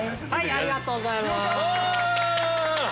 ◆ありがとうございます。